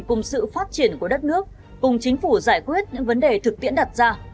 cùng sự phát triển của đất nước cùng chính phủ giải quyết những vấn đề thực tiễn đặt ra